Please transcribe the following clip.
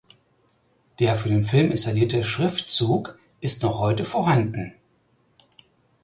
Der für den Film installierte Schriftzug ist noch heute vorhanden.